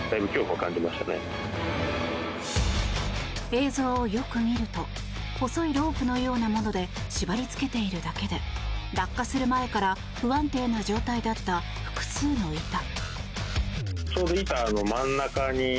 映像をよく見ると細いロープのようなもので縛りつけているだけで落下する前から不安定な状態だった複数の板。